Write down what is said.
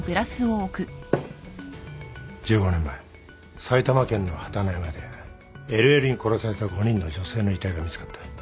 １５年前埼玉県の榛野山でＬＬに殺された５人の女性の遺体が見つかった。